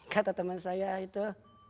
kata teman saya itu